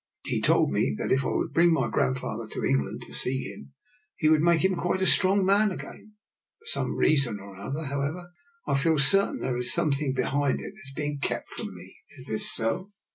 *' He told me that if I would bring my grandfather to Eng land to see him he would make him quite a strong man again. For some reason or an other, however, I feel certain there is some thing behind it that is being kept from me. Is this so?